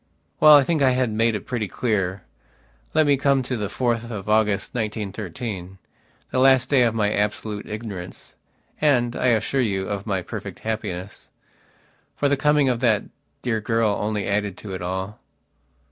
Well, I think I have made it pretty clear. Let me come to the 4th of August, 1913, the last day of my absolute ignoranceand, I assure you, of my perfect happiness. For the coming of that dear girl only added to it all.